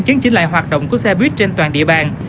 chứng chỉnh lại hoạt động của xe buýt trên toàn địa bàn